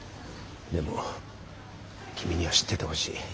でも君には知っててほしい。